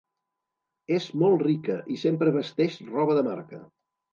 És molt rica i sempre vesteix roba de marca.